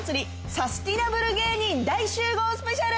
サスティナブル芸人大集合スペシャル！